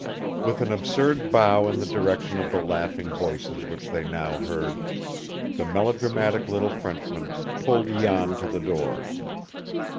With an absurd bow in the direction of the laughing voices which they now heard, the melodramatic little Frenchman pulled Jan to the door.